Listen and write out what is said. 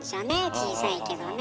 小さいけどね。